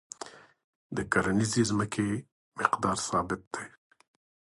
د کرنیزې ځمکې مقدار ثابت دی.